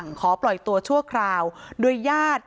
จนสนิทกับเขาหมดแล้วเนี่ยเหมือนเป็นส่วนหนึ่งของครอบครัวเขาไปแล้วอ่ะ